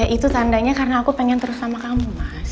itu bendanya karena aku mau terazin dibawah kamu